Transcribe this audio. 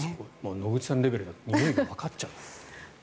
野口さんレベルだとにおいがわかっちゃう。